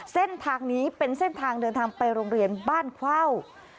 เส้นทางนี้เป็นเส้นทางเดินทางไปโรงเรียนบ้านเข้า